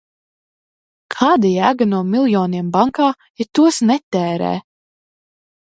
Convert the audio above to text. Kāda jēga no miljoniem bankā, ja tos netērē?